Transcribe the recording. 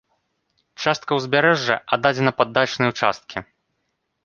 Частка ўзбярэжжа аддадзена пад дачныя ўчасткі.